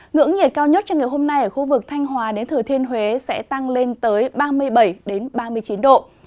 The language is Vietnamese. ngưỡng nhiệt cao nhất cho ngày hôm nay ở khu vực thanh hòa đến thừa thiên huế sẽ tăng lên tới ba mươi bảy ba mươi chín độ